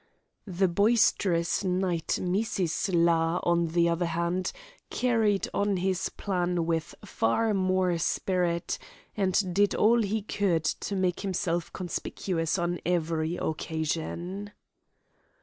The boisterous knight Mizisla, on the other hand, carried on his plan with far more spirit, and did all he could to make himself conspicuous on every occasion.